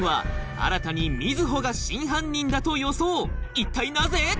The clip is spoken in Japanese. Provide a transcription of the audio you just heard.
一体なぜ？